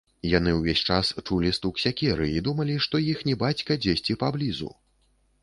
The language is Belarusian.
Яны ўвесь час чулі стук сякеры і думалі, што іхні бацька дзесьці паблізу